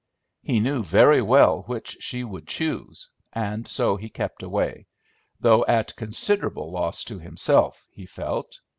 He knew very well which she would choose, and so he kept away, though at considerable loss to himself, he felt.